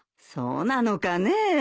そうなのかねえ。